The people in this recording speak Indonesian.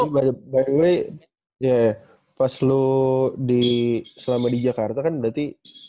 by the way pas lu selama di jakarta kan berarti